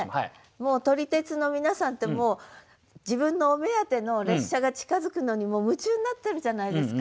もう撮り鉄の皆さんってもう自分のお目当ての列車が近づくのに夢中になってるじゃないですか。